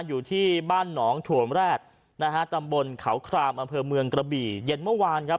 อยู่ที่บ้านหนองถั่วมแรดนะฮะตำบลเขาครามอำเภอเมืองกระบี่เย็นเมื่อวานครับ